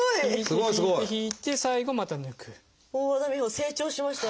成長しましたよ